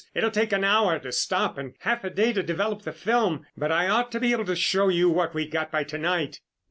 "It'll take an hour to stop and half a day to develop the film, but I ought to be able to show you what we got by to night."